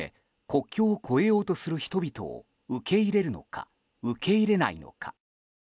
国境を越えようとする人々を受け入れるのか受け入れないのか。